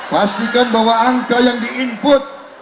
pastikan bahwa angka yang di input